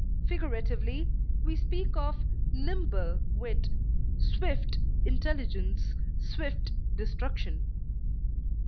Figuratively, we speak of nimble wit, swift intelligence, swift destruction.